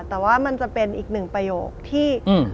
แต่ว่ามันจะเป็นอีกหนึ่งประโยคที่